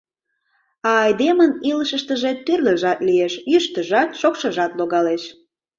А айдемын илышыштыже тӱрлыжат лиеш: йӱштыжат, шокшыжат логалеш.